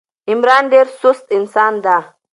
عمران ډېر سوست انسان ده.